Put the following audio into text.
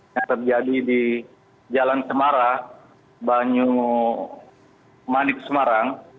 yang terjadi di jalan semara banyu manit semarang